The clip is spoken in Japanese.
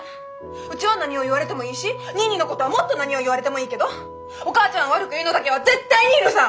うちは何を言われてもいいしニーニーのことはもっと何を言われてもいいけどお母ちゃんを悪く言うのだけは絶対に許さん！